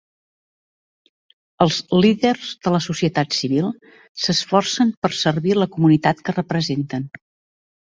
Els líders de la societat civil s'esforcen per servir la comunitat que representen.